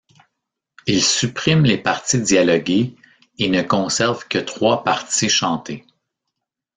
Il supprime les parties dialoguées et ne conserve que trois parties chantées.